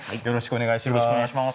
よろしくお願いします。